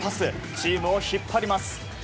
チームを引っ張ります。